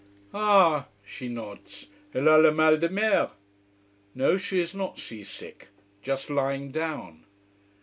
"Ah!" she nods. "Elle a le mal de mer?" No, she is not sea sick, just lying down.